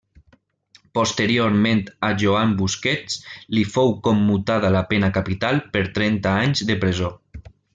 Posteriorment a Joan Busquets li fou commutada la pena capital per trenta anys de presó.